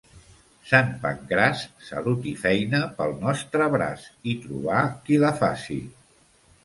Sant Pancraç, salut i feina pel nostre braç, i trobar qui la faci.